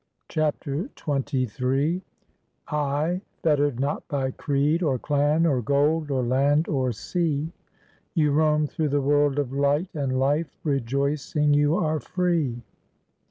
96 BIOGRAPHY OF CHAPTER XXIII il Ay, fettered not by creed, or clan, or gold, or land, or sea, You roam through the world of light and life, rejoicing you are free."